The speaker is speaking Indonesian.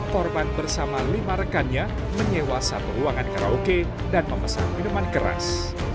korban bersama lima rekannya menyewa satu ruangan karaoke dan memesan minuman keras